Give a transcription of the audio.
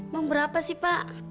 mau berapa sih pak